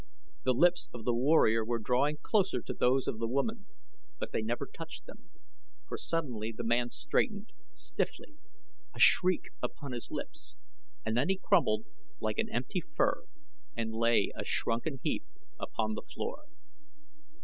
The lips of the warrior were drawing closer to those of the woman, but they never touched them, for suddenly the man straightened, stiffly, a shriek upon his lips, and then he crumpled like an empty fur and lay, a shrunken heap, upon the floor.